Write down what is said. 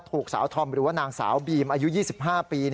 ถูกสาวธอมหรือว่านางสาวบีมอายุ๒๕ปี